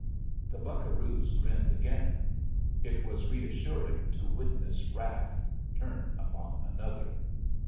The buccaroos grinned again. It was reassuring to witness wrath turn upon another.